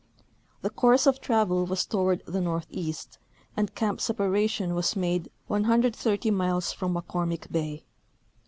The course of travel was toward the northeast, and cam^D Separation was made 130 miles from McCormick bay.